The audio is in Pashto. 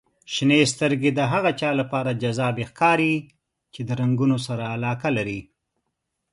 • شنې سترګې د هغه چا لپاره جذابې ښکاري چې د رنګونو سره علاقه لري.